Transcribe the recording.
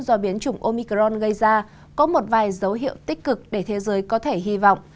do biến chủng omicron gây ra có một vài dấu hiệu tích cực để thế giới có thể hy vọng